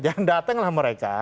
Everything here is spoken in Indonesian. dan datanglah mereka